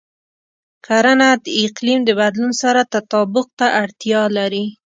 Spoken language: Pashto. کرنه د اقلیم د بدلون سره تطابق ته اړتیا لري.